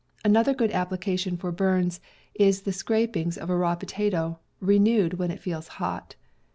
Another good ap plication for burns is the scrapings of a raw potato, renewed when it feels hot.